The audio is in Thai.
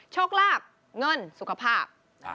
โชคลาบเงินสุขภาพ